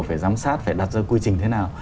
phải giám sát phải đặt ra quy trình thế nào